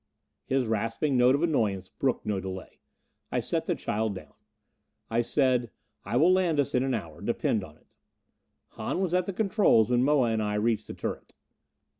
His rasping note of annoyance brooked no delay. I set the child down. I said, "I will land us in an hour. Depend on it." Hahn was at the controls when Moa and I reached the turret.